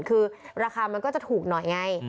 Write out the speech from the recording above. คือราคามันก็จะถูกหน่อยไง